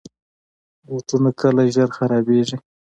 بوټونه کله زر خرابیږي.